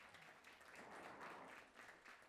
Existe una escuela primaria, una clínica y una mezquita.